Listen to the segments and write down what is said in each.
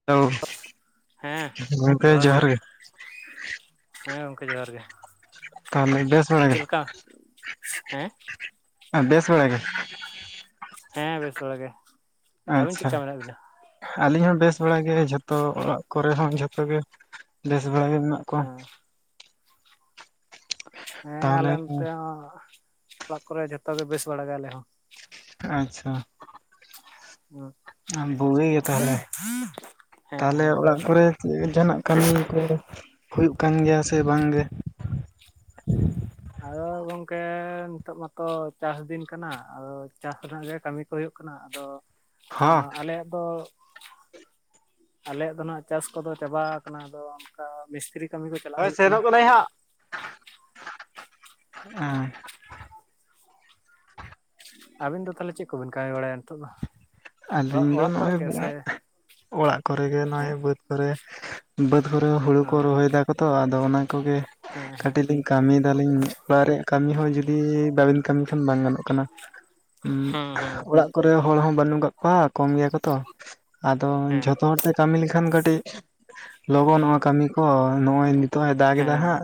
[unintelligible] ᱦᱮᱸ ᱡᱚᱦᱟᱨ ᱜᱮ᱾ ᱦᱮᱸ ᱜᱚᱢᱠᱮ ᱡᱚᱦᱟᱨ ᱜᱮ ᱛᱟᱦᱚᱞᱮ ᱵᱮᱥ ᱵᱟᱲᱟ ᱜᱮ ᱪᱮᱫ ᱞᱮᱠᱟ ᱦᱮᱸ ᱦᱮ ᱵᱮᱥ ᱵᱟᱲᱟ ᱜᱮ ᱦᱮᱸ ᱵᱮᱥ ᱵᱟᱲᱟ ᱜᱮ ᱟᱹᱵᱤᱱ ᱪᱮᱫ ᱟᱪᱪᱷᱟ ᱞᱮᱠᱟ ᱢᱮᱱᱟᱜ ᱵᱤᱱᱟ ᱟᱹᱞᱤᱧ ᱦᱚᱸ ᱵᱮᱥ ᱵᱟᱲᱟ ᱜᱮ ᱡᱷᱚᱛᱚ ᱚᱲᱟᱜ ᱠᱚᱨᱮ ᱦᱚᱸ ᱡᱷᱚᱛᱚ ᱜᱮ ᱵᱮᱥ ᱵᱟᱲ ᱜᱮ ᱢᱮᱱᱟᱜ ᱠᱚᱣᱟ᱾ ᱦᱮᱸ ᱦᱮᱸ ᱛᱟᱦᱚᱞᱮ ᱟᱞᱮ ᱱᱚᱱᱚᱛᱮ ᱦᱚᱸ ᱚᱲᱟᱜ ᱠᱚᱨᱮ ᱡᱷᱚᱛᱚ ᱜᱮ ᱵᱮᱥ ᱵᱟᱲᱟ ᱜᱮ ᱟᱞᱮ ᱦᱚᱸ᱾ ᱟᱪᱪᱷᱟ [unintelligible] ᱟᱢ ᱵᱩᱜᱤ ᱜᱮ ᱛᱟᱦᱚᱞᱮ ᱦᱮᱸ ᱛᱟᱦᱚᱞᱮ ᱦᱮᱸ ᱚᱲᱟᱜ ᱠᱚᱨᱮ ᱡᱟᱦᱟᱱᱟᱜ ᱠᱟᱹᱢᱤ ᱠᱚ ᱦᱩᱭᱩᱜ ᱠᱟᱱ ᱜᱮᱭᱟ ᱥᱮ ᱵᱟᱝ ᱜᱮ᱾ ᱜᱚᱝᱠᱮ ᱱᱤᱛᱚᱜ ᱢᱟᱛᱚ ᱪᱟᱥ ᱫᱤᱱ ᱠᱟᱱᱟ, ᱟᱫᱚ ᱪᱟᱥ ᱨᱮᱱᱟᱜ ᱜᱮ ᱠᱟᱹᱢᱤ ᱠᱚ ᱦᱳᱭᱳᱜ ᱠᱟᱱᱟ ᱟᱫᱚ ᱦᱚᱸ ᱟᱞᱮᱭᱟᱜ ᱫᱚ ᱟᱞᱮᱭᱟᱜ ᱫᱚ ᱱᱟᱜ ᱪᱟᱥ ᱠᱚᱫᱚ ᱪᱟᱵᱟ ᱠᱟᱱᱟ ᱟᱫᱚ ᱚᱱᱠᱟ ᱢᱤᱥᱛᱨᱤ ᱠᱟᱹᱢᱤ ᱠᱚ ᱪᱟᱞᱟᱜ ᱦᱳᱭ ᱦᱩᱭᱩᱜ ᱠᱟᱱᱟ᱾ ᱥᱮᱱᱚᱜ ᱠᱟᱹᱱᱟᱹᱧ [unintelligible] ᱟᱹᱵᱤᱱ ᱫᱚ ᱛᱟᱦᱚᱞᱮ ᱪᱮᱫ ᱠᱚᱵᱤᱱ ᱠᱟᱹᱢᱤ ᱵᱟᱲᱟᱭᱟ ᱱᱤᱛᱚᱜ ᱫᱚ ᱚᱲᱟᱜ ᱟᱹᱞᱤᱧ ᱫᱚ ᱚᱲᱟᱜ ᱠᱚᱨᱮ ᱱᱚᱜᱼᱚᱭ ᱜᱮ ᱥᱮ ᱚᱲᱟᱜ ᱠᱚᱨᱮ ᱜᱮ ᱦᱮᱸ ᱱᱚᱜᱼᱚᱸᱚᱭ ᱵᱟᱹᱫᱽ ᱠᱚᱨᱮ ᱵᱟᱹᱫᱽ ᱠᱚᱨᱮ ᱦᱩᱲᱩ ᱠᱚ ᱨᱚᱦᱚᱭ ᱫᱟᱠᱚ ᱛᱚ᱾ ᱟᱫᱚ ᱚᱱᱟ ᱠᱚᱜᱮ ᱦᱮᱸ ᱦᱮᱸ ᱠᱟᱹᱴᱤᱡ ᱞᱤᱧ ᱠᱟᱹᱢᱤᱭ ᱫᱟᱞᱤᱧ ᱚᱲᱟᱜ ᱨᱮᱭᱟᱜ ᱠᱟᱹᱢᱤ ᱦᱚᱸ ᱡᱩᱫᱤ ᱵᱟᱵᱤᱱ ᱠᱟᱹᱢᱤ ᱠᱷᱚᱱ ᱵᱟᱝ ᱜᱟᱱᱚᱜ ᱠᱟᱱᱟ ᱦᱮᱸ ᱦᱮᱸ ᱚᱲᱟᱜ ᱠᱚᱨᱮ ᱦᱚᱲ ᱦᱚᱸ ᱵᱟᱹᱱᱩᱜ ᱠᱟᱜ ᱠᱚ ᱵᱟ ᱠᱚᱢ ᱜᱮᱭᱟ ᱠᱚ ᱛᱚ, ᱟᱫᱚ ᱦᱮᱸ ᱡᱷᱚᱛᱚ ᱦᱚᱲᱛᱮ ᱠᱟᱹᱢᱤ ᱞᱮᱠᱷᱟᱱ ᱠᱟᱹᱴᱤᱜ ᱞᱚᱜᱚᱱᱚᱜᱼᱟ ᱠᱟᱹᱢᱤ ᱠᱚ ᱱᱚᱜᱼᱚᱭ ᱱᱤᱛᱚᱜᱼ ᱮ ᱫᱟᱜᱽ ᱮᱫᱟ ᱦᱮᱸ ᱦᱟᱸᱜ᱾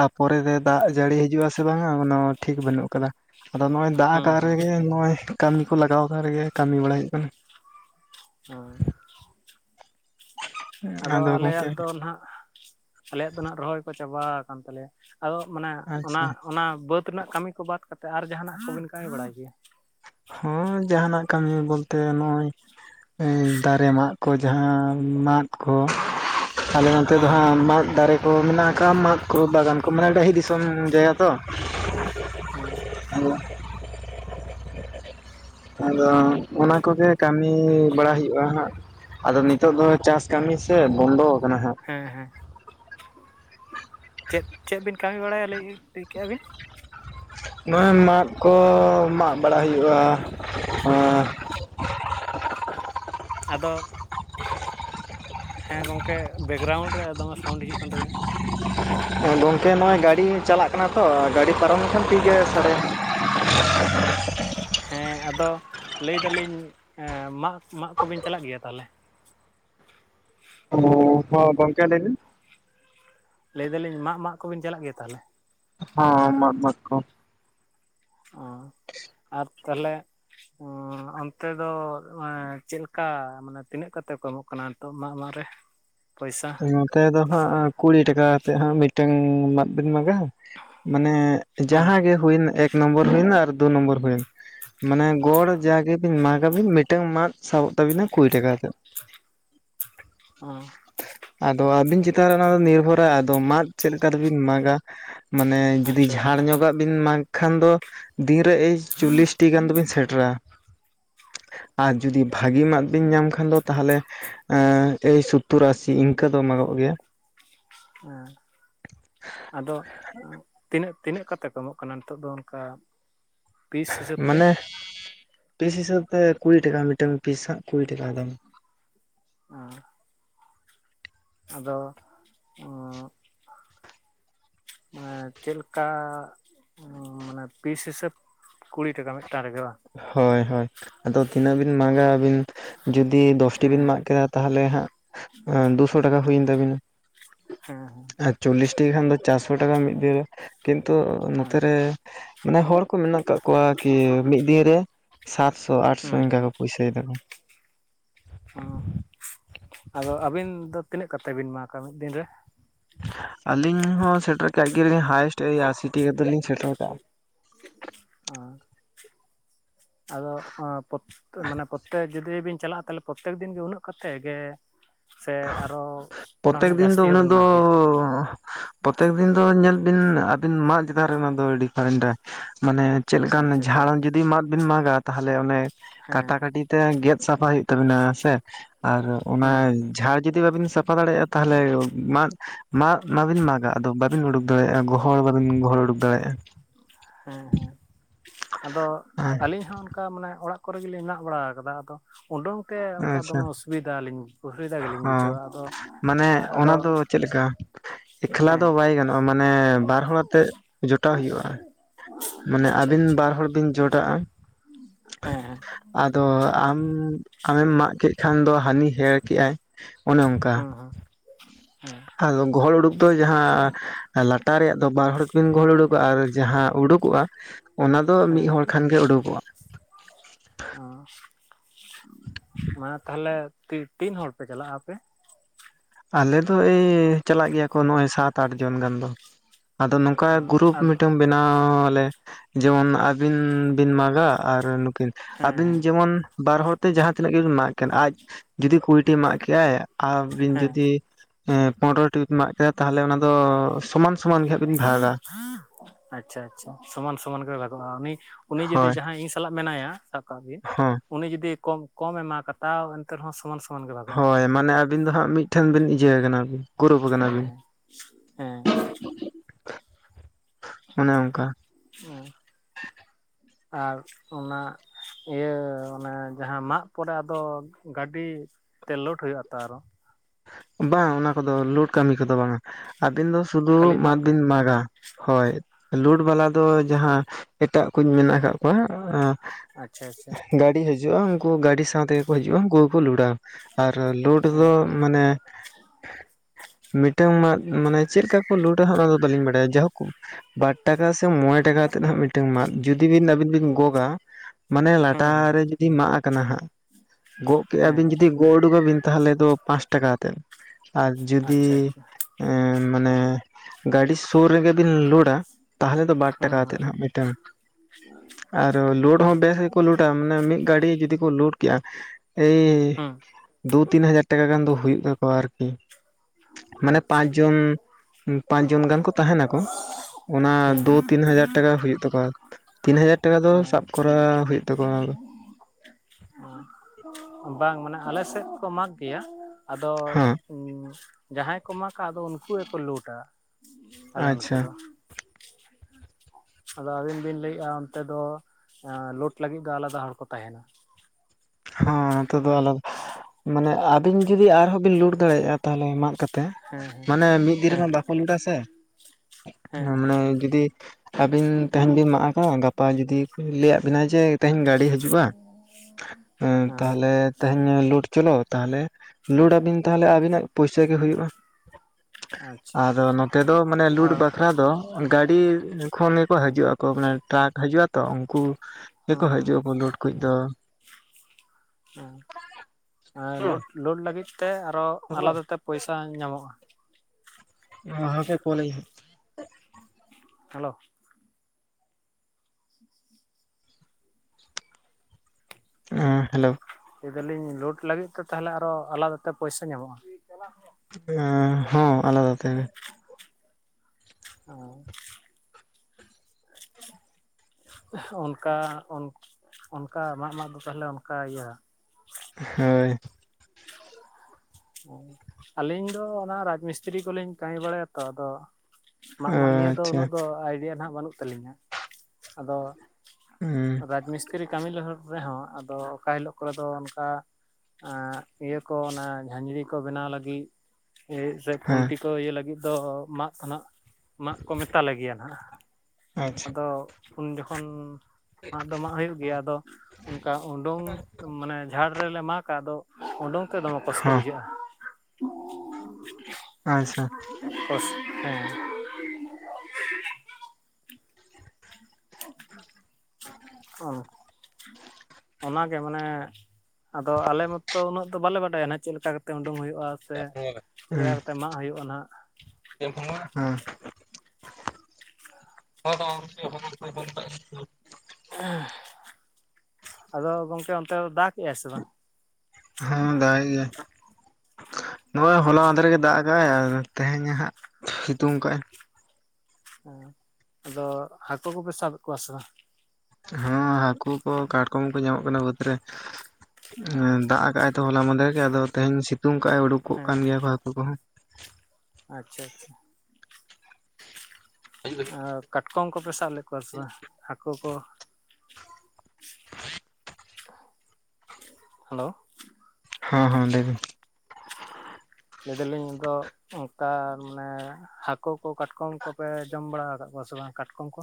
ᱟ ᱯᱚᱨᱮ ᱨᱮ ᱫᱟᱜ ᱡᱟᱹᱲᱤ ᱦᱤᱡᱩᱜ ᱟᱥᱮ ᱵᱟᱝ ᱟ ᱚᱱᱟ ᱴᱷᱤᱠ ᱵᱟᱹᱱᱩᱜ ᱠᱟᱫᱟ᱾ ᱟᱫᱚ ᱱᱚᱜᱼᱚᱭ ᱫᱟᱜ ᱦᱮᱸ ᱟᱠᱟᱜ ᱦᱮᱸ ᱨᱮᱜᱮ ᱱᱚᱜᱼᱚᱭ ᱠᱟᱹᱢᱤ ᱠᱚ ᱞᱟᱜᱟᱣ ᱟᱠᱟᱜ ᱨᱮᱜᱮ ᱠᱟᱹᱢᱤ ᱵᱟᱲᱟᱭ ᱦᱩᱭᱩᱜ ᱠᱟᱱᱟ᱾ [unintelligible] ᱟᱫᱚ ᱟᱞᱮᱭᱟᱜ ᱫᱚ ᱱᱟᱜ, ᱟᱞᱮᱭᱟᱜ ᱫᱚ ᱱᱟᱜ ᱨᱚᱦᱚᱭ ᱠᱚ ᱪᱟᱵᱟ ᱠᱟᱱᱟ ᱛᱟᱞᱮᱭᱟ᱾ ᱟᱫᱚ ᱢᱟᱱᱮ ᱚᱱᱟ ᱟᱪᱪᱷᱟ ᱚᱱᱟ ᱵᱟᱹᱫᱽ ᱨᱮᱱᱟᱜ ᱠᱟᱹᱢᱤ ᱠᱚ ᱵᱟᱫ ᱠᱟᱛᱮᱫ ᱟᱨ ᱡᱟᱦᱟᱱᱟᱜ ᱠᱚᱵᱤᱱ ᱠᱟᱹᱢᱤ ᱵᱟᱲᱟᱭ ᱜᱮᱭᱟ? ᱦᱚᱸ ᱡᱟᱦᱟᱱᱟᱜ ᱠᱟᱹᱢᱤ ᱵᱚᱞᱛᱮ ᱱᱚᱜᱼᱚᱭ ᱫᱟᱨᱮ ᱢᱟᱜ ᱠᱚ ᱡᱟᱦᱟᱸ ᱢᱟᱫ ᱠᱚ ᱟᱞᱮ ᱱᱚᱱᱛᱮ ᱫᱚ ᱦᱚᱸ ᱦᱟᱸᱜ ᱢᱟᱫ ᱫᱟᱨᱮ ᱠᱚ ᱢᱮᱱᱟᱜ ᱟᱠᱟᱜ ᱢᱟᱫ ᱠᱚ ᱵᱟᱜᱟᱱ ᱠᱚ ᱢᱟᱱᱮ ᱰᱟᱹᱦᱤ ᱫᱤᱥᱚᱢ ᱡᱟᱭᱜᱟ ᱛᱚ᱾ ᱦᱩᱸ [unintelligible] ᱟᱫᱚ ᱚᱱᱟ ᱠᱚᱜᱮ ᱠᱟᱹᱢᱤ ᱵᱟᱲᱟ ᱦᱩᱭᱩᱜᱼᱟ ᱦᱟᱸᱜ, ᱟᱫᱚ ᱱᱤᱛᱚᱜ ᱫᱚ ᱪᱟᱥ ᱠᱟᱹᱢᱤ ᱥᱮ ᱵᱚᱱᱫᱚ ᱟᱠᱟᱱᱟ ᱦᱟᱸᱜ᱾ ᱦᱮᱸ ᱦᱮᱸ ᱪᱮᱫ ᱪᱮᱫ ᱵᱤᱱ ᱠᱟᱹᱢᱤ ᱵᱟᱲᱟᱭᱟ ᱞᱟᱹᱭ ᱞᱟᱹᱭ ᱠᱮᱜᱼᱟ ᱵᱤᱱ? ᱱᱚᱜᱼᱚᱭ ᱢᱟᱜ ᱠᱚ ᱢᱟᱜ ᱵᱟᱲᱟ ᱦᱩᱭᱩᱜᱼᱟ ᱚ ᱟᱸ ᱟᱫᱚ, ᱦᱮᱸ ᱜᱚᱝᱠᱮ ᱵᱮᱠᱨᱟᱣᱩᱱᱰ ᱨᱮ ᱫᱚᱢᱮ ᱥᱟᱣᱩᱱᱰ ᱦᱤᱡᱩᱜ ᱠᱟᱱ ᱛᱟᱵᱤᱱᱟ᱾ ᱮ ᱜᱚᱝᱠᱮ ᱱᱚᱜᱼᱚᱭ ᱜᱟᱹᱰᱤ ᱪᱟᱞᱟᱜ ᱠᱟᱱᱟ ᱛᱚ ᱜᱟᱹᱰᱤ ᱯᱟᱨᱚᱢ ᱞᱮᱱᱠᱷᱟᱱ ᱴᱷᱤᱠ ᱜᱮ ᱚ ᱥᱟᱰᱮ ᱦᱚᱸ ᱦᱟᱸᱜ᱾ ᱦᱮᱸ ᱟᱫᱚ ᱞᱟᱹᱭᱫᱟᱞᱤᱧ ᱢᱟᱜ ᱢᱟᱜ ᱠᱚᱵᱤᱱ ᱪᱟᱞᱟᱜ ᱜᱮᱭᱟ ᱛᱟᱦᱚᱞᱮ? ᱚ ᱦᱚᱸ ᱜᱚᱝᱠᱮ ᱞᱮᱵᱤᱱ᱾ ᱞᱟᱹᱭ ᱫᱟᱞᱤᱧ ᱢᱟᱜ ᱢᱟᱜ ᱠᱚᱵᱤᱱ ᱪᱟᱞᱟᱜ ᱜᱮᱭᱟ ᱛᱟᱦᱚᱞᱮ? [unintelligible] ᱚ ᱟᱨ ᱛᱟᱞᱦᱮ ᱚᱸ ᱚᱱᱛᱮ ᱫᱚ ᱪᱮᱫᱞᱮᱠᱟ ᱢᱟᱱᱮ ᱛᱤᱱᱟᱹᱜ ᱠᱟᱛᱮ ᱠᱚ ᱮᱢᱚᱜ ᱠᱟᱱᱟ ᱱᱤᱛᱚᱜ ᱢᱟᱜ ᱢᱟᱜ ᱨᱮ? ᱯᱚᱭᱥᱟ ᱱᱚᱛᱮ ᱫᱚ ᱦᱟᱸᱜ ᱠᱩᱲᱤ ᱴᱟᱠᱟ ᱠᱟᱛᱮ ᱦᱟᱸᱜ ᱢᱤᱫᱴᱟᱝ ᱵᱟᱫ᱾ ᱵᱤᱱ ᱢᱟᱜᱟ ᱢᱟᱱᱮ ᱦᱚᱸ ᱡᱟᱦᱟᱸ ᱜᱮ ᱦᱩᱭ ᱮᱱ ᱮᱹᱠ ᱱᱚᱢᱵᱚᱨ ᱦᱩᱭᱮᱱ ᱟᱨ ᱫᱩ ᱱᱚᱢᱵᱚᱨ ᱦᱩᱭᱮᱱ᱾ ᱢᱟᱱᱮ ᱜᱚᱲ ᱡᱟᱜᱮᱵᱤᱱ ᱢᱟᱜᱟᱵᱤᱱ ᱢᱤᱫᱴᱟᱝ ᱢᱟᱫ ᱥᱟᱵᱚᱜ ᱛᱟᱵᱤᱱᱟ ᱠᱩᱲᱤ ᱴᱟᱠᱟ ᱠᱟᱛᱮᱫ᱾ ᱚᱸ ᱟᱫᱚ ᱟᱹᱵᱤᱱ ᱪᱮᱛᱟᱱ ᱨᱮ ᱚᱱᱟ ᱫᱚ ᱱᱤᱨᱵᱷᱚᱨᱟ ᱟᱫᱚ ᱢᱟᱫ ᱪᱮᱫ ᱞᱮᱠᱟ ᱛᱮᱵᱤᱱ ᱢᱟᱜᱟ? ᱢᱟᱱᱮ ᱡᱩᱫᱤ ᱟᱪᱪᱷᱟ ᱡᱷᱟᱲ ᱟᱪᱪᱷᱟ ᱧᱚᱜᱟᱜ ᱵᱤᱱ ᱢᱟᱜᱽ ᱠᱷᱟᱱ ᱫᱚ ᱫᱤᱱᱨᱮ ᱮᱭ ᱪᱚᱞᱞᱤᱥᱴᱤ ᱜᱟᱱ ᱫᱚᱵᱤᱱ ᱥᱮᱴᱮᱨᱟ᱾ ᱟᱨ ᱡᱩᱫᱤ ᱵᱷᱟᱜᱤ ᱢᱟᱫ ᱵᱤᱱ ᱧᱟᱢ ᱠᱷᱟᱱ ᱫᱚ ᱛᱟᱦᱟᱞᱮ ᱮᱭ ᱥᱳᱛᱛᱳᱨ ᱟᱥᱤ ᱤᱱᱠᱟ ᱫᱚ ᱢᱟᱜᱚᱜ ᱜᱮᱭᱟ᱾ ᱦᱮᱸ ᱟᱫᱚ ᱛᱤᱱᱟ. ᱛᱤᱱᱟᱜ ᱠᱟᱛᱮ ᱠᱚ ᱮᱢᱚᱜ ᱠᱟᱱᱟ ᱱᱤᱛᱚᱜ ᱫᱚ ᱚᱱᱠᱟ ᱯᱤᱥ ᱦᱤᱥᱟᱹᱵ ᱛᱮ ᱢᱟᱱᱮ ᱯᱤᱥ ᱦᱤᱥᱟᱹᱵ ᱛᱮ ᱠᱩᱲᱤ ᱴᱟᱠᱟ ᱢᱤᱴᱟᱝ ᱯᱤᱥ ᱦᱟᱸᱜ ᱠᱩᱲᱤ ᱴᱟᱠᱟ ᱫᱟᱢ᱾ ᱚ ᱟᱫᱚ ᱩ ᱢᱟᱱᱮ ᱪᱮᱫ ᱞᱮᱠᱟ ᱢᱟᱱᱮ ᱯᱤᱥ ᱦᱤᱥᱟᱹᱵ ᱠᱩᱲᱤ ᱴᱟᱠᱟ ᱢᱮᱫᱴᱟᱝ ᱨᱮᱜᱮ ᱵᱟᱝ ᱦᱳᱭ ᱦᱳᱭ ᱟᱫᱚ ᱛᱤᱱᱟᱹᱜ ᱵᱤᱱ ᱢᱟᱜᱟ ᱟᱹᱵᱤᱱ ᱡᱩᱫᱤ ᱫᱚᱥᱴᱤ ᱦᱮᱸ ᱵᱤᱱ ᱢᱟᱜ ᱠᱮᱫᱟ ᱛᱟᱦᱚᱞᱮ ᱦᱟᱸᱜ ᱫᱩᱥᱚ ᱴᱟᱠᱟ ᱦᱩᱭᱮᱱ ᱛᱟᱵᱤᱱᱟ ᱦᱮᱸ ᱦᱮᱸ ᱟᱪ ᱪᱚᱞᱞᱤᱥᱴᱤ ᱠᱷᱟᱱ ᱫᱚ ᱪᱟᱨᱥᱚ ᱴᱟᱠᱟ ᱢᱤᱫ ᱫᱤᱱ ᱨᱮ ᱠᱤᱱᱛᱩ ᱦᱮᱸ ᱱᱚᱛᱮᱨᱮ ᱢᱟᱱᱮ ᱦᱚᱲ ᱠᱚ ᱢᱮᱱᱟᱜ ᱟᱠᱟᱫ ᱠᱚᱣᱟ ᱠᱤ ᱢᱤᱫ ᱫᱤᱱ ᱨᱮ ᱥᱟᱛᱥᱚ ᱟᱴᱥᱚ ᱦᱩᱸ ᱤᱱᱠᱟ ᱠᱚ ᱯᱩᱭᱥᱟᱹᱭ ᱫᱟᱠᱚ, [unintelligible] ᱟᱫᱚ ᱟᱹᱵᱤᱱ ᱫᱚ ᱛᱤᱱᱟᱹᱜ ᱠᱟᱛᱮ ᱵᱤᱱ ᱢᱟᱜᱽ ᱟ ᱢᱤᱫ ᱫᱤᱱ ᱨᱮ? ᱟᱞᱤᱧ ᱦᱚ ᱥᱮᱴᱮᱨ ᱠᱟᱜ ᱜᱮᱞᱤᱧ ᱦᱟᱭᱮᱥᱴ ᱳᱭ ᱟᱥᱤᱴᱤ ᱠᱟᱛᱮ ᱞᱤᱧ ᱥᱮᱴᱮᱨ ᱠᱟᱜ-ᱟ ᱚ ᱟᱫᱚ ᱟ.. ᱯᱚᱛᱛᱮ ᱢᱟᱱᱮ ᱯᱚᱛᱛᱮᱠ ᱡᱩᱫᱤ ᱵᱤᱱ ᱪᱟᱞᱟᱜ-ᱟ ᱛᱟᱦᱞᱮ ᱯᱚᱨᱛᱮᱠ ᱫᱤᱱ ᱜᱮ ᱩᱱᱟᱹᱜ ᱠᱟᱛᱮ ᱜᱮᱻ ᱥᱮ ᱟᱨᱚ ᱚᱱᱟ ᱯᱚᱛᱛᱮᱠ ᱠᱷᱚᱱᱟᱜ ᱫᱤᱱ ᱫᱚ ᱡᱟᱹᱥᱛᱤ ᱩᱱᱟᱹᱜ ᱦᱚᱸᱵᱮᱱ ᱫᱚ ᱢᱟᱜᱽ ᱜᱮᱭᱟ ᱯᱚᱛᱛᱮᱠ ᱫᱤᱱ ᱫᱚ ᱧᱮᱞ ᱟᱵᱤᱱ ᱟᱵᱤᱱ ᱢᱟᱫ ᱪᱮᱛᱟᱱ ᱨᱮ ᱚᱱᱟ ᱫᱚ ᱰᱤᱯᱷᱟᱨᱮᱱᱰᱟ ᱢᱟᱱᱮ ᱪᱮᱫ ᱞᱮᱠᱟᱱ ᱟᱪᱪᱷᱟ ᱟᱪᱪᱷᱟ ᱡᱷᱟᱲ ᱡᱩᱫᱤ ᱡᱩᱫᱤ ᱢᱟᱫ ᱵᱤᱱ ᱢᱟᱜᱟ ᱛᱟᱦᱚᱞᱮ ᱚᱱᱮ ᱦᱮᱸ ᱠᱟᱴᱟ ᱠᱟᱴᱤᱛᱮ ᱜᱮᱫ ᱥᱟᱯᱷᱟ ᱦᱩᱭᱩᱜ ᱛᱟᱵᱤᱱᱟ ᱥᱮ ᱟᱨ ᱚᱱᱟ ᱦᱩᱸ ᱦᱩᱸ ᱡᱷᱟᱲ ᱡᱩᱫᱤ ᱵᱟᱵᱤᱱ ᱥᱟᱯ- ᱯᱷᱟ ᱫᱟᱲᱮᱜ-ᱟ ᱛᱟᱦᱚᱞᱮᱻ ᱢᱟᱫ ᱢᱟᱜ ᱢᱟᱵᱤᱱ ᱢᱟᱜᱟ ᱟᱫᱚ ᱵᱟᱵᱤᱱ ᱩᱰᱩᱠ ᱫᱟᱲᱮᱭᱟᱜ-ᱟ ᱜᱚᱦᱚᱲ ᱵᱟᱵᱤᱱ ᱜᱚᱦᱚᱲ ᱩᱰᱩᱠ ᱫᱟᱲᱮᱭᱟᱜᱼᱟ ᱦᱮ ᱦᱮ ᱟᱫᱚ ᱟᱞᱤᱧ ᱦᱚ ᱚᱱ ᱚᱱᱠᱟ ᱢᱟᱱᱮ ᱚᱲᱟᱜ ᱠᱚᱨᱮ ᱜᱮᱞᱤᱧ ᱢᱟᱜ ᱵᱟᱲᱟ ᱠᱟᱫᱟ ᱟᱫᱚ ᱩᱰᱩᱝ ᱛᱮ ᱚᱱᱠᱟ ᱟᱪᱪᱷᱟ ᱫᱚᱢᱮ ᱚᱥᱵᱤᱫᱟᱞᱤᱧ ᱚᱥᱩᱵᱤᱫᱟ ᱜᱮᱞᱤᱧ ᱦᱚᱸ ᱵᱩᱡᱷᱟᱣᱟ ᱟᱫᱚ ᱢᱟᱱᱮ ᱟ.. ᱚᱱᱟ ᱫᱚ ᱪᱮᱫ ᱞᱮᱠᱟ ᱮᱠᱞᱟ ᱫᱚ ᱵᱟᱭ ᱜᱟᱱᱚᱜ-ᱟ ᱢᱟᱱᱮ ᱵᱟᱨ ᱦᱚᱲ ᱟᱛᱮ ᱡᱚᱴᱟᱣ ᱦᱩᱭᱩ-ᱟ ᱢᱟᱱᱮ ᱟᱪᱪᱷᱟ ᱟᱵᱤᱱ ᱵᱟᱨ ᱦᱚᱲ ᱵᱤᱱ ᱡᱚᱴᱟᱜ-ᱟ ᱦᱮ ᱦᱮ ᱟᱫᱚ ᱟᱢ ᱟᱢᱮᱢ ᱢᱟᱜ ᱠᱮᱜ ᱠᱷᱟᱱ ᱫᱚ ᱦᱟᱱᱤ ᱦᱮᱲ ᱠᱮ ᱟᱭ ᱚᱱᱮ ᱚᱝᱠᱟ ᱦᱩᱸ ᱦᱩᱸ ᱦᱮᱸ ᱟᱫᱚ ᱜᱚᱦᱚᱲ ᱩᱰᱩᱠ ᱫᱚ ᱡᱟᱸᱦᱟ ᱞᱟᱴᱟ ᱨᱮᱭᱟᱜ ᱫᱚ ᱵᱟᱨ ᱦᱚᱲ ᱛᱮᱵᱤᱱ ᱜᱚᱦᱚᱲ ᱩᱰᱩᱠᱟ ᱟᱨ ᱡᱟᱦᱟ ᱩᱰᱩᱠ ᱠᱚᱜ-ᱟ ᱚᱱᱟ ᱫᱚ ᱦᱮᱸ ᱢᱤᱫ ᱦᱚᱲ ᱠᱷᱟᱱ ᱜᱮ ᱩᱰᱩᱠᱚᱜ-ᱟ ᱚᱦ ᱢᱟ ᱛᱟᱦᱚᱞᱮ ᱛᱤ ᱴᱼᱛᱤᱱ ᱦᱚᱲ ᱯᱮ ᱪᱟᱞᱟᱜ-ᱟ ᱟᱯᱮ ᱟᱞᱮ ᱫᱚ ᱮᱭ ᱪᱟᱞᱟᱜ ᱜᱮᱭᱟ ᱠᱚ ᱱᱚᱭ ᱥᱟᱛ ᱟᱴ ᱡᱚᱱ ᱜᱟᱱ ᱫᱚ ᱟᱫᱚ ᱱᱚᱝᱠᱟ ᱚ ᱜᱨᱩᱯ ᱟᱫᱚ ᱢᱤᱴᱟᱝ ᱵᱮᱱᱟᱣ ᱟᱞᱮ ᱡᱮᱢᱚᱱ ᱟᱹᱵᱤᱱ ᱵᱤᱱ ᱢᱟᱜᱟ ᱟᱨ ᱱᱩᱠᱤᱱ ᱦᱮᱸ ᱟᱹᱵᱤᱱ ᱦᱮᱸ ᱡᱮᱢᱚᱱ ᱵᱟᱨ ᱦᱚᱲ ᱛᱮ ᱡᱟᱦᱟ ᱛᱤᱱᱟᱹᱜ ᱜᱮᱵᱤᱱ ᱢᱟᱜ ᱠᱚᱱ ᱟᱡ ᱡᱩᱫᱤ ᱠᱩᱲᱤᱴᱤ ᱢᱟᱜ ᱠᱮᱜ-ᱟᱭ ᱟᱵᱤᱱ ᱦᱮᱸ ᱡᱩᱫᱤ ᱮᱸ ᱯᱚᱱᱨᱚᱴᱤ ᱢᱟᱜ ᱠᱮᱫᱟ ᱛᱟᱦᱚᱞᱮ ᱚᱱᱟ ᱫᱚ ᱥᱚᱢᱟᱱ ᱥᱚᱢᱟᱱ ᱜᱮ ᱦᱟ ᱵᱮᱱ ᱵᱷᱟᱜᱟ ᱟᱪᱷᱟ ᱟᱪᱷᱟ ᱥᱚᱢᱟᱱ ᱥᱚᱢᱟᱱ ᱜᱮ ᱵᱷᱟᱜᱚᱜ-ᱟ ᱩᱱᱤ ᱩᱱᱤ ᱡᱩᱫᱤ ᱦᱳᱭ ᱡᱟᱦᱟᱭ ᱤᱧ ᱥᱟᱞᱟᱜ ᱢᱮᱱᱟᱭᱟ [unintelligible] ᱦᱚᱸ ᱩᱱᱤ ᱡᱩᱫᱤ ᱠᱚᱢ ᱠᱚᱢᱮ ᱢᱟᱜᱟ ᱛᱟᱣ ᱮᱱᱛᱮ ᱨᱮᱦᱚ ᱥᱚᱢᱟᱱ ᱥᱚ.. ᱦᱳᱭ ᱢᱟᱱᱮ ᱟᱹᱵᱤᱱ ᱫᱚ ᱦᱟᱜ ᱢᱤᱫᱴᱷᱮᱱ ᱵᱤᱱ ᱤᱭᱟᱹ ᱠᱟᱱᱟ ᱵᱤᱱ ᱜᱨᱩᱯ ᱦᱮ ᱠᱟᱱᱟ ᱵᱤᱱ ᱦᱮ ᱦᱮᱻ ᱚᱱᱮ ᱚᱝᱠᱟ ᱟᱨ ᱚᱱᱟ ᱤᱭᱟᱹ ᱚᱱᱮ ᱡᱟᱦᱟ ᱢᱟᱜ ᱯᱚᱨᱮ ᱟᱫᱚ ᱜᱟᱹᱰᱤ ᱛᱮ ᱞᱳᱰ ᱦᱩᱭᱩᱜ ᱟᱛᱚ ᱟᱨᱚ ᱵᱟᱝ ᱚᱱᱟ ᱠᱚᱫᱚ ᱞᱳᱰ ᱠᱟᱹᱢᱤ ᱠᱚᱫᱚ ᱵᱟᱝᱟ ᱟᱹᱵᱤᱱ ᱫᱚ ᱥᱩᱫᱩ ᱠᱷᱟᱹᱞᱤ ᱡᱟᱫ ᱢᱟᱜ ᱜᱮ ᱵᱤᱱ ᱢᱟᱜᱟ ᱦᱚᱭ ᱞᱩᱰ ᱵᱟᱞᱟ ᱫᱚ ᱡᱟᱦᱟ ᱮᱴᱟᱜ ᱠᱩᱡᱽ ᱢᱮᱱᱟᱜ ᱟᱠᱟᱫ ᱠᱚᱣᱟ ᱟ... ᱟᱪᱪᱷᱟ ᱟᱪᱪᱷᱟ ᱜᱟᱹᱰᱤ ᱦᱤᱡᱩᱜ-ᱟ ᱩᱱᱠᱩ ᱜᱟᱹᱰᱤ ᱥᱟᱶᱛᱮᱜᱮᱠᱚ ᱦᱤᱡᱩᱜ-ᱟ ᱩᱱᱠᱩᱠᱚ ᱞᱳᱰ ᱟᱨ ᱞᱳᱰ ᱦᱮᱸ ᱫᱚ ᱢᱟᱱᱮ ᱢᱤᱫᱴᱟᱝᱟ ᱢᱟᱫ ᱢᱟᱱᱮ ᱪᱮᱫᱞᱮᱠᱟ ᱞᱚᱰ ᱟᱦᱟᱸᱜ ᱚᱱᱟ ᱫᱚ ᱵᱟᱹᱞᱤᱧ ᱵᱟᱲᱟᱭᱟ ᱡᱟᱦᱩᱠ- ᱵᱟᱨ ᱴᱟᱠᱟ ᱥᱮ ᱢᱚᱬᱮ ᱴᱟᱠᱟ ᱠᱟᱛᱮᱫ ᱦᱟᱸᱜ ᱢᱤᱫᱴᱟᱝ ᱢᱟᱫ ᱡᱩᱫᱤ ᱵᱤᱱ ᱟᱹᱵᱤᱱ ᱵᱤᱱ ᱜᱚᱜᱟ ᱢᱟᱱᱮ ᱦᱩᱸ ᱦᱩᱸ ᱞᱟᱴᱟᱨᱮ ᱡᱩᱫᱤ ᱢᱟᱜ ᱟᱠᱟᱱᱟ ᱦᱟᱸᱜ ᱜᱚᱜ ᱠᱮᱜᱼᱟ ᱦᱮᱸ ᱵᱤᱱ ᱡᱩᱫᱤ ᱜᱚ ᱩᱰᱩᱠᱟᱵᱤᱱ ᱛᱟᱦᱚᱞᱮ ᱫᱚ ᱯᱟᱸᱪ ᱴᱟᱠᱟ ᱠᱟᱛᱮᱫ ᱟᱨ ᱡᱩᱫᱤ ᱟᱪᱪᱷᱟ ᱟᱪᱪᱷᱟ ᱢᱟᱱᱮ ᱜᱟᱹᱰᱤ ᱥᱩᱨ ᱨᱮᱜᱮ ᱵᱤᱱ ᱞᱳᱰᱟ, ᱛᱟᱦᱚᱞᱮ ᱫᱚ ᱵᱟᱨ ᱦᱩᱸ ᱴᱟᱠᱟ ᱠᱟᱛᱮᱫ ᱦᱩᱸ ᱦᱟᱸᱜ ᱢᱤᱫᱴᱟᱝ ᱟᱨ ᱞᱳᱰ ᱦᱚᱸ ᱵᱮᱥ ᱠᱚ ᱞᱚᱰᱟ ᱢᱟᱱᱮ ᱢᱤᱫ ᱜᱟᱹᱲᱤ ᱡᱩᱫᱤ ᱠᱚ ᱞᱩᱴ ᱠᱮᱜᱼᱟ ᱮᱭ ᱦᱩᱸ ᱫᱩ ᱛᱤᱱ ᱦᱟᱡᱟᱨ ᱴᱟᱠᱟ ᱜᱟᱱ ᱫᱚ ᱦᱩᱭᱩᱜ ᱛᱟᱠᱚᱣᱟ ᱟᱨᱠᱤ, ᱢᱟᱱᱮ ᱯᱟᱸᱪ ᱟᱪᱪᱷᱟ ᱡᱚᱱ ᱯᱟᱸᱪ ᱡᱚᱱ ᱜᱟᱱ ᱠᱚ ᱛᱟᱦᱮᱸ ᱱᱟᱠᱚ᱾ ᱚᱱᱟ ᱦᱩᱸ ᱫᱩ ᱦᱩᱸ ᱛᱤᱱ ᱦᱟᱡᱟᱨ ᱴᱟᱠᱟ ᱦᱩᱭᱩᱜ ᱛᱟᱠᱚᱣᱟ ᱛᱤᱱ ᱦᱟᱡᱟᱨ ᱴᱟᱠᱟ ᱫᱚ ᱦᱩᱸ ᱥᱟᱵ ᱠᱚᱨᱟᱣ ᱦᱩᱭᱩᱜ ᱛᱟᱠᱚᱣᱟ [inaudible] ᱵᱟᱝ ᱢᱟᱱᱮ ᱟᱞᱮ ᱥᱮᱫ ᱠᱚ ᱢᱟᱜᱽ ᱜᱮᱭᱟ ᱟᱫᱚ ᱦᱮᱸ ᱡᱟᱦᱟᱸᱭ ᱠᱚ ᱢᱟᱜᱟ ᱟᱫᱚ ᱩᱱᱠᱩ ᱜᱮᱠᱚ ᱞᱩᱴᱟ ᱟᱞᱮ ᱱᱚᱛᱮ ᱟᱪᱪᱷᱟ ᱫᱚ᱾ ᱟᱫᱚ ᱟᱹᱵᱤᱱ ᱵᱤᱱ ᱞᱟᱹᱭᱮᱼᱟ ᱚᱱᱛᱮ ᱫᱚ ᱞᱳᱰ ᱞᱟᱹᱜᱤᱫ ᱫᱚ ᱟᱞᱟᱫᱟ ᱦᱚᱲ ᱠᱚ ᱛᱟᱦᱮᱱᱟ᱾ ᱦᱸ ᱱᱚᱛᱮ ᱫᱚ ᱟᱞᱟᱫᱟ ᱢᱟᱱᱮ ᱟᱵᱤᱱ ᱡᱩᱫᱤ ᱟᱨᱦᱚᱸ ᱵᱤᱱ ᱞᱩᱴ ᱫᱟᱲᱮᱭᱟᱜᱼᱟ ᱛᱟᱦᱚᱞᱮ ᱢᱟᱜ ᱠᱟ- ᱦᱮᱸ ᱦᱮᱸ ᱢᱟᱱᱮ ᱢᱤᱫ ᱫᱤᱱᱢᱟ ᱦᱮᱸ ᱵᱟᱠᱚ ᱞᱩᱴᱟ ᱥᱮ ᱦᱮᱸ ᱦᱮᱸ ᱢᱟᱱᱮ ᱡᱩᱫᱤ ᱟᱹᱵᱤᱱ ᱛᱮᱦᱮᱸᱧ ᱵᱤᱱ ᱢᱟᱜ ᱟᱠᱟᱜ-ᱟ ᱜᱟᱯᱟ ᱡᱩᱫᱤ ᱞᱟᱹᱭᱟᱫ ᱵᱤᱱᱟᱭ ᱡᱮ ᱛᱮᱦᱮᱸᱧ ᱜᱟᱹᱰᱤ ᱦᱤᱡᱩᱜᱼᱟ᱾ ᱮ ᱦᱮᱸ ᱛᱟᱦᱚᱞᱮ ᱛᱮᱦᱮᱧ ᱞᱳᱰ ᱪᱚᱞᱚ ᱛᱟᱦᱚᱞᱮ ᱞᱳᱰ ᱟᱵᱤᱱ ᱛᱟᱦᱚᱞᱮ ᱟᱵᱤᱱᱟᱜ ᱯᱚᱭᱥᱟᱹ ᱜᱮ ᱦᱩᱭᱩᱜᱼᱟ᱾ ᱟᱪᱪᱷᱟ ᱟᱫᱚ ᱱᱚᱛᱮ ᱫᱚ ᱢᱟᱱᱮ ᱞᱩᱴ ᱵᱟᱠᱷᱨᱟ ᱫᱚ ᱜᱟᱹᱰᱤ ᱠᱷᱚᱱ ᱜᱮᱠᱚ ᱦᱤᱡᱩᱜ ᱟᱠᱚ ᱢᱟᱱᱮ ᱴᱨᱟᱠ ᱦᱤᱡᱩᱜᱼᱟ ᱛᱚ ᱩᱱᱠᱩ ᱜᱮᱠᱚ ᱦᱮᱸ ᱦᱮᱸ ᱦᱤᱡᱩᱜᱼᱟ ᱵᱚᱱ ᱞᱳᱰ ᱠᱚᱭ ᱫᱚ᱾ ᱦᱮᱸ ᱞᱳᱰ ᱞᱳᱰ ᱞᱟᱹᱜᱤᱫ ᱛᱮ ᱟᱨᱚ ᱚᱠᱚᱭ ᱟᱞᱟᱫᱟ ᱛᱮ ᱯᱚᱭᱥᱟ ᱧᱟᱢᱚᱜᱼᱟ᱾ ᱞᱟᱦᱟ ᱛᱮ ᱠᱚᱞᱮ ᱦᱮᱞᱳ [unintelligible] ᱮᱸ ᱦᱮᱞᱳ ᱞᱟᱹᱭ ᱫᱟᱞᱤᱧ ᱞᱳᱰ ᱞᱟᱹᱜᱤᱫ ᱛᱮᱫᱚ ᱛᱟᱦᱚᱞᱮ ᱟᱨᱚ ᱟᱞᱟᱫᱟᱛᱮ ᱯᱚᱭᱥᱟᱹ ᱧᱟᱢᱚᱜᱼᱟ᱾ ᱮ ᱦᱮᱸ ᱟᱞᱟᱫᱟᱛᱮ᱾ [unintelligible] [unintelligible] ᱚᱱᱠᱟ ᱚᱱᱠᱟ ᱢᱟᱫ ᱢᱟᱜ ᱫᱚ ᱛᱟᱦᱚᱞᱮ ᱚᱱᱠᱟ ᱤᱭᱟᱹ ᱦᱳᱭ ᱟᱹᱞᱤᱧ ᱫᱚ ᱚᱱᱟ ᱨᱟᱡᱽ ᱢᱤᱥᱛᱤᱨᱤ ᱠᱚᱞᱤᱧ ᱠᱟᱹᱢᱤ ᱵᱟᱲᱟᱭᱟᱛᱚ ᱟᱫᱚ ᱢᱟᱫ ᱢᱟ ᱱᱤᱭᱟᱹ ᱫᱚ ᱟᱪᱪᱷᱟ ᱩᱱᱟᱹᱜ ᱫᱚ ᱟᱭᱰᱤᱭᱟ ᱦᱟᱸᱜ ᱵᱟᱹᱱᱩᱜ ᱛᱟᱹᱞᱤᱧᱟ ᱟᱫᱚ [unintelligible] ᱨᱟᱡᱽ ᱢᱤᱥᱛᱤᱨᱤ ᱠᱟᱹᱢᱤ ᱨᱮᱦᱚᱸ ᱟᱫᱚ ᱚᱠᱟ ᱦᱤᱞᱳᱜ ᱠᱚᱨᱮ ᱫᱚ ᱚᱱᱠᱟ, ᱤᱭᱟᱹ ᱠᱚ ᱚᱱᱟ, ᱡᱟᱸᱡᱨᱤ ᱠᱚ ᱵᱮᱱᱟᱣ ᱞᱟᱹᱜᱤᱫ ᱮ ᱟᱪᱪᱷᱟ ᱠᱷᱩᱱᱴᱤ ᱠᱚ ᱤᱭᱟᱹ ᱞᱟᱹᱜᱤᱫ ᱫᱚ ᱢᱟᱜ ᱛᱮᱱᱟᱜ ᱢᱟᱜ ᱠᱚ ᱢᱮᱛᱟ ᱞᱮᱜᱮᱭᱟ ᱱᱟᱦᱟᱜ ᱟᱫᱚ ᱩᱱ ᱡᱚᱠᱷᱚᱱ, ᱦᱟᱜ ᱫᱚ ᱢᱟᱜ ᱦᱩᱭᱩᱜ ᱜᱮᱭᱟ ᱟᱫᱚ ᱚᱱᱠᱟ ᱩᱰᱩᱝ ᱢᱟᱱᱮ ᱡᱷᱟᱲ ᱨᱮᱞᱮ ᱢᱟᱜ ᱠᱟᱜ ᱟᱫᱚ ᱩᱰᱩᱝ ᱛᱮ ᱫᱚᱢᱮ ᱠᱚᱥᱴᱚ ᱦᱚᱸ ᱵᱩᱡᱷᱟᱹᱜᱼᱟ᱾ ᱟᱪᱪᱷᱟ [unintelligible] ᱚ ᱚᱱᱟᱜᱮ ᱢᱟᱱᱮ ᱟᱫᱚ ᱟᱞᱮ ᱢᱚᱛᱚ ᱩᱱᱟᱹᱜ ᱫᱚ ᱵᱟᱞᱮ ᱵᱟᱰᱟᱭᱟ ᱱᱟᱜ ᱪᱮᱫᱞᱮᱠᱟ ᱠᱟ ᱩᱰᱩᱝ ᱦᱩᱭᱩᱜᱼᱟ ᱥᱮ ᱪᱮᱫ ᱞᱮᱠᱟ ᱠᱟᱛᱮ ᱢᱟᱜ ᱦᱩᱭᱩᱜᱼᱟ ᱱᱟᱦᱟᱜ᱾ ᱦᱮᱸ [unintelligible] ᱟᱫᱚ ᱜᱚᱝᱠᱮ ᱚᱱᱛᱮ ᱫᱟᱜ ᱮ ᱟᱭ ᱥᱮ ᱵᱟᱝ? ᱦᱮᱸ ᱫᱟᱜ ᱜᱮᱭᱟᱭ ᱱᱚᱜᱼᱚᱭ ᱦᱚᱞᱟ ᱢᱟᱸᱫᱷᱨ ᱜᱮ ᱫᱟᱜ [inaudible] ᱛᱮᱦᱮᱧᱟ ᱦᱟᱸᱜ ᱥᱤᱛᱩᱝ ᱠᱟᱜᱼᱟᱭ ᱦᱮᱸ ᱟᱫᱚ ᱦᱟᱹᱠᱩ ᱠᱚᱯᱮ ᱥᱟᱵᱮ ᱠᱚᱣᱟ ᱥᱮ ᱵᱟᱝ? ᱦᱮ ᱦᱟᱹᱠᱩ ᱠᱚ ᱠᱟᱴᱠᱚᱢ ᱠᱚ ᱧᱟᱢᱚᱜ ᱠᱟᱱᱟ ᱵᱟᱹᱫᱽ ᱨᱮ ᱦᱮᱸ ᱫᱟᱜ ᱟᱠᱟᱼᱟᱭ᱾ ᱛᱚ ᱦᱚᱞᱟ ᱢᱟᱫᱷᱮᱨ ᱜᱮ ᱟᱫᱚ ᱛᱮᱦᱮᱧ ᱥᱤᱛᱩᱝ ᱠᱟᱜᱼ ᱟᱭ ᱩᱰᱩᱠᱚᱜ ᱠᱟᱱ ᱜᱮᱭᱟ ᱠᱚ ᱦᱟᱹᱠᱩ ᱠᱚᱦᱚᱸ᱾ ᱟᱪᱷᱟ ᱟᱪᱷᱟ᱾ ᱠᱟᱴᱠᱚᱢ ᱠᱚᱯᱮ ᱥᱟᱵ ᱞᱮᱫ ᱠᱚᱣᱟ ᱥᱮ ᱵᱟᱝ ᱦᱟᱹᱠᱩ ᱠᱚ? [inaudible] ᱦᱮᱞᱳ᱾ ᱦᱚᱸ ᱦᱚᱸ ᱞᱟᱹᱭ ᱢᱮ᱾ ᱞᱟᱹᱭ ᱫᱟᱞᱤᱧ ᱟᱫ ᱚᱱᱠᱟ ᱢᱟᱱᱮ ᱦᱟᱹᱠᱩ ᱠᱚ ᱠᱟᱴᱠᱚᱢ ᱠᱚᱯᱮ ᱡᱚᱢ ᱵᱟᱲᱟ ᱟᱠᱟᱫ ᱠᱚᱣᱟ ᱥᱮ ᱵᱟᱝ? ᱠᱟᱴᱠᱚᱢ ᱠᱚ᱾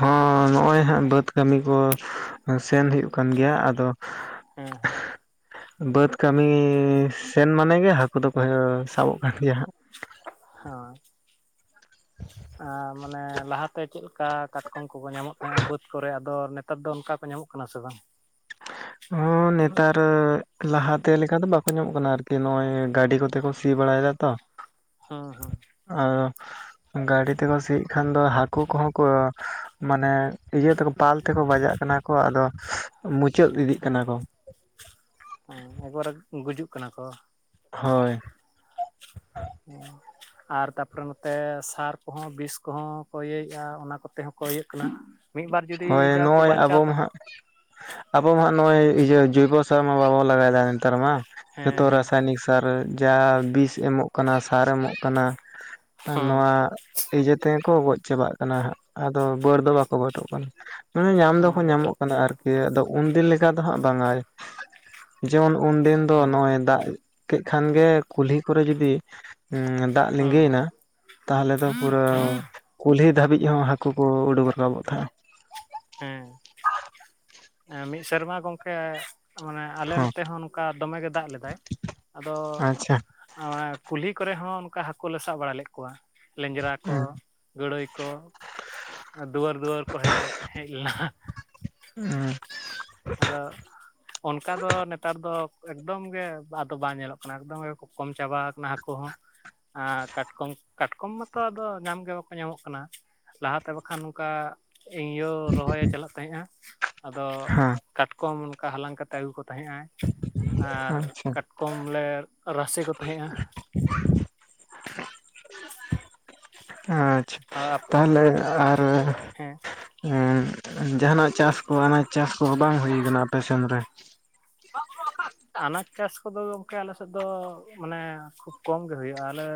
ᱦᱚᱸ ᱱᱚᱜᱼᱚᱭ ᱦᱟᱜ ᱵᱟᱹᱫᱽ᱾ ᱠᱟᱹᱢᱤ ᱠᱚ ᱥᱮᱱ ᱦᱩᱭᱩᱜ ᱠᱟᱱ ᱜᱮᱭᱟ ᱟᱫᱚ᱾ ᱦᱮᱸ ᱵᱟᱹᱫᱽ ᱠᱟᱹᱢᱤ ᱥᱮᱱ ᱢᱟᱱᱮ ᱜᱮ ᱦᱟᱹᱠᱩ ᱫᱚᱠᱚ ᱥᱟᱵᱚᱜ ᱠᱟᱱ ᱜᱮᱭᱟ ᱦᱟᱸᱜ᱾ ᱦᱚᱸ᱾ ᱟ ᱢᱟᱱᱮ ᱞᱟᱦᱟᱛᱮ ᱪᱮᱫᱞᱮᱠᱟ ᱠᱟᱴᱠᱚᱢ ᱠᱚᱠᱚ ᱧᱟᱢᱚᱜ ᱛᱟᱦᱮᱸᱫ-ᱟ ᱵᱟᱹᱫ ᱠᱚᱨᱮ ᱟᱫᱚ ᱱᱮᱛᱟᱨ ᱫᱚ ᱚᱱᱠᱟ ᱠᱚ ᱧᱟᱢᱚᱜ ᱠᱟᱱᱟ ᱠᱟᱱᱟ ᱥᱮ ᱵᱟᱝ? [unintelligible] ᱦᱚᱸ ᱱᱮᱛᱟᱨ ᱞᱟᱦᱟᱛᱮ ᱞᱮᱠᱟ ᱫᱚ ᱵᱟᱠᱚ ᱧᱟᱢᱚᱜ ᱠᱟᱱᱟ ᱟᱨᱠᱤ ᱱᱚᱜ-ᱚᱭ ᱜᱟᱹᱰᱤ ᱠᱚᱛᱮ ᱠᱚ ᱥᱤ ᱵᱟᱲᱟᱭᱮᱫᱟ ᱛᱚ᱾ [unintelligible] ᱦᱩᱸ ᱦᱩᱸ᱾ [unintelligible] ᱜᱟᱹᱰᱤ ᱛᱮᱠᱚ ᱥᱤᱭᱮ ᱠᱷᱟᱱ ᱫᱚ ᱦᱟᱹᱠᱩ ᱠᱚᱦᱚᱸ ᱠᱚ ᱢᱟᱱᱮ ᱤᱭᱟᱹ ᱛᱮᱠᱚ ᱯᱟᱞ ᱛᱮᱠᱚ ᱵᱟᱡᱟᱜ᱾ ᱠᱟᱱᱟ ᱠᱚ ᱟᱫᱚ ᱢᱩ ᱦᱮᱸ ᱦᱮᱸ ᱮᱵᱟᱨᱮ ᱜᱩᱡᱩᱜ ᱠᱟᱱᱟ ᱠᱚ᱾ ᱦᱳᱭ [unintelligible] ᱟᱨ ᱛᱟᱯᱚᱨᱮ ᱱᱚᱛᱮ ᱥᱟᱨ ᱠᱚᱦᱚᱸ ᱵᱤᱥ ᱠᱚᱦᱚᱸ ᱠᱚ ᱤᱭᱟᱹᱭᱮᱭᱟ ᱚᱱᱟ ᱠᱚᱛᱮ ᱦᱚᱸ ᱠᱚ ᱤᱭᱟᱹᱜ ᱠᱟᱱᱟ᱾ ᱢᱤᱫ ᱵᱟᱨ ᱡᱩᱫᱤ ᱦᱳᱭ ᱡᱟ ᱠᱚ ᱱᱚᱜ-ᱚᱭ ᱟᱵᱚ ᱵᱟᱧᱪᱟᱣ ᱢᱟ ᱦᱟᱸᱜ ᱟᱵᱚ ᱢᱟ ᱱᱚᱜ-ᱚᱭ ᱤᱭᱟᱹ ᱡᱚᱭᱵᱚᱥᱟᱨ ᱢᱟ ᱵᱟᱵᱚᱱ ᱞᱟᱜᱟᱭᱮᱫᱟ ᱱᱮᱛᱟᱨ ᱢᱟ ᱦᱮᱸ ᱡᱚᱛᱚ ᱦᱮᱸ ᱨᱟᱥᱟᱭᱚᱱᱤᱠ᱾ ᱟᱨ ᱡᱟᱦᱟ ᱵᱤᱥ ᱮᱢᱚᱜ ᱠᱟᱱᱟ ᱥᱟᱨ ᱮᱢᱚᱜ ᱠᱟᱱᱟ ᱦᱩᱸ ᱱᱚᱣᱟ᱾ ᱤᱭᱟᱹ ᱛᱮᱜᱮ ᱠᱚ ᱜᱚᱡ ᱪᱟᱵᱟᱜ ᱠᱟᱱᱟ ᱦᱟᱜ ᱟᱫᱚ ᱵᱟᱹᱲ ᱫᱚ ᱵᱟᱠᱚ ᱵᱟᱹᱴᱚᱜ ᱠᱟᱱᱟ᱾ ᱢᱟᱱᱮ ᱧᱟᱢ ᱦᱩᱸ ᱫᱚᱠᱚ ᱧᱟᱢᱚᱜ ᱠᱟᱱᱟ ᱟᱨᱠᱤ ᱟᱫᱚ ᱩᱱᱫᱤᱱ ᱞᱮᱠᱟ ᱫᱚ ᱦᱟᱸᱜ ᱵᱟᱝᱟ᱾ ᱡᱮᱢᱚᱱ ᱩᱱᱫᱤᱱ ᱫᱚ ᱦᱮᱸ ᱱᱚᱜ-ᱚᱭ ᱫᱟᱜ ᱠᱮ ᱠᱷᱟᱱ ᱜᱮ ᱠᱩᱞᱦᱤ ᱠᱚᱨᱮ ᱡᱩᱫᱤ᱾ ᱦᱩᱸ ᱫᱟᱜ ᱦᱩᱸ ᱦᱩᱸ ᱞᱤᱸᱜᱟᱹᱭᱮᱱᱟ ᱛᱟᱦᱞᱮ ᱫᱚ ᱯᱩᱨᱟᱹ᱾ ᱠᱩᱞᱦᱤ ᱫᱷᱟᱹᱵᱤᱡ ᱦᱚᱸ ᱦᱟᱹᱠᱩ ᱠᱚ ᱩᱰᱩᱠ ᱨᱟᱠᱟᱵᱚᱜ ᱛᱟᱦᱮᱸᱜ-ᱟ᱾ ᱦᱮᱸ [unintelligible] ᱮ ᱢᱤᱫ ᱥᱮᱨᱢᱟ ᱜᱚᱝᱠᱮ᱾ ᱢᱟᱱᱮ ᱟᱞᱮ ᱱᱚᱛᱮ ᱦᱚᱸ ᱱᱚᱝᱠᱟ ᱫᱚᱢᱮ ᱜᱮ ᱫᱟᱜ ᱞᱮᱫᱟᱭ ᱟᱫᱚ᱾ ᱟᱪᱪᱷᱟ [unintelligible] ᱠᱩᱞᱦᱤ ᱠᱚᱨᱮ ᱦᱚᱸ ᱚᱱᱠᱟ ᱦᱟᱹᱠᱩ ᱞᱮ ᱥᱟᱵ ᱵᱟᱲᱟ ᱞᱮᱫ ᱠᱚᱣᱟ ᱞᱮᱸᱡᱨᱟ ᱠᱚ ᱦᱮᱸ ᱜᱟᱹᱲᱟᱹᱭ ᱠᱚ ᱫᱩᱣᱟᱹᱨ ᱫᱩᱣᱟᱹᱨ ᱠᱚ ᱦᱮᱡ ᱦᱮᱡ ᱞᱮᱱᱟ᱾ ᱦᱮᱸ ᱟᱫᱚ ᱚᱱᱠᱟ ᱫᱚ ᱱᱮᱛᱟᱨ ᱫᱚ ᱮᱠᱫᱚᱢ ᱜᱮ ᱟᱫᱚ ᱵᱟᱝ ᱧᱮᱞᱚᱜ ᱠᱟᱱᱟ ᱮᱠᱫᱚᱢ ᱜᱮ ᱠᱚᱢ ᱪᱟᱵᱟ ᱟᱠᱟᱱᱟ ᱦᱟᱹᱠᱩ ᱦᱚᱸ᱾ ᱟᱨ ᱠᱟᱴᱠᱚᱢ ᱠᱟᱴᱠᱚᱢ ᱢᱟᱛᱚ ᱟᱫᱚ ᱧᱟᱢ ᱜᱮ ᱵᱟᱠᱚ ᱧᱟᱢᱚᱜ ᱠᱟᱱᱟ᱾ ᱞᱟᱦᱟᱛᱮ ᱵᱟᱠᱷᱟᱱ ᱱᱚᱝᱠᱟ ᱤᱧ ᱟᱭᱳ ᱨᱚᱦᱚᱭᱮ ᱪᱟᱞᱟᱜ ᱛᱟᱦᱮᱸᱜ-ᱟ᱾ ᱟᱫᱚ ᱠᱟᱴᱠᱚᱢ ᱚᱱᱠᱟ ᱦᱟᱞᱟᱝ ᱠᱟᱛᱮᱫ ᱟᱹᱜᱩ ᱠᱚ ᱛᱟᱦᱮᱸᱜᱼᱟᱭ ᱟᱨ ᱟᱪᱪᱷᱟ ᱠᱚᱢ ᱞᱮ ᱨᱟᱥᱮ ᱠᱚ ᱛᱟᱦᱮᱸᱜᱼᱟ᱾ ᱟᱪᱪᱷᱟ ᱟᱨ ᱛᱟᱦᱞᱮ ᱟᱨ ᱦᱮᱸ ᱡᱟᱦᱟᱱᱟᱜ ᱪᱟᱥ ᱠᱚ ᱟᱱᱟᱡ ᱪᱟᱥ ᱠᱚᱦᱚᱸ ᱵᱟᱝ ᱦᱩᱭ ᱟᱠᱟᱱᱟ ᱟᱯᱮ ᱥᱮᱱ ᱨᱮ ᱟᱱᱟᱡᱽ ᱪᱟᱥ ᱠᱚᱫᱚ ᱜᱚᱢᱠᱮ ᱟᱞᱮᱥᱮᱫ ᱫᱚ ᱢᱟᱱᱮ ᱠᱷᱩᱵᱽ ᱠᱚᱢ ᱜᱮ ᱦᱩᱭᱩᱜ-ᱟ ᱟᱞᱮ